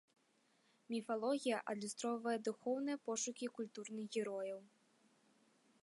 Міфалогія адлюстроўвае духоўныя пошукі культурных герояў.